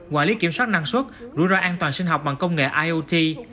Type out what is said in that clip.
quản lý kiểm soát năng suất rủi ro an toàn sinh học bằng công nghệ iot